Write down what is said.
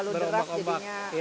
nggak terlalu deras jadinya